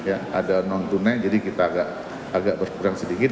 ada non tunai jadi kita agak berkurang sedikit